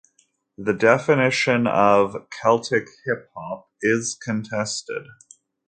The definition of 'Celtic Hip Hop' is contested.